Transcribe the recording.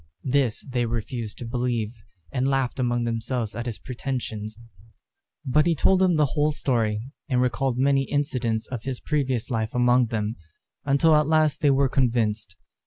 This they refused to believe, and laughed among themselves at his pretensions; but he told them the whole story, and recalled many incidents of his previous life among them, until at last they were convinced.